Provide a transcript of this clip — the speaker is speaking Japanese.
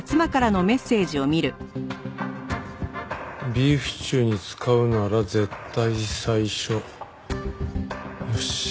「ビーフシチューに使うなら絶対最初」よっしゃ